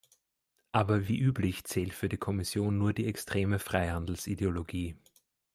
Aber wie üblich zählt für die Kommission nur die extreme Freihandelsideologie.